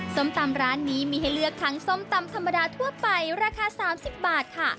ส้มตำร้านนี้มีให้เลือกทั้งส้มตำธรรมดาทั่วไปราคา๓๐บาทค่ะ